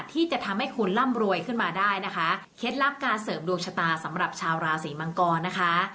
ที่จะทำให้คุณร่ำรวยขึ้นมาได้นะคะเคล็ดลับการเสริมดวงชะตาสำหรับชาวราศีมังกรนะคะ